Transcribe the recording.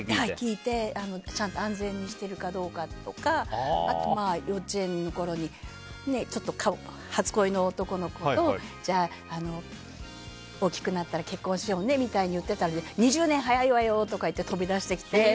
聞いて、ちゃんと安全にしているかどうかとかあとは、幼稚園のころにちょっと初恋の男の子とじゃあ、大きくなったら結婚しようねみたいに言ってたら２０年早いわよ！って言って飛び出してきて。